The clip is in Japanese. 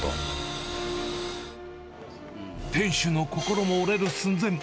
店主の心も折れる寸前。